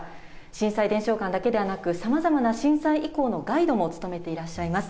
震災伝承館だけではなく、さまざまな震災遺構のガイドも務めていらっしゃいます。